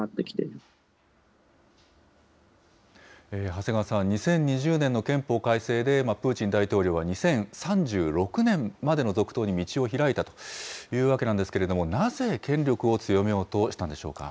長谷川さん、２０２０年の憲法改正で、プーチン大統領は２０３６年までの続投に道を開いたというわけなんですけれども、なぜ権力を強めようとしたんでしょうか。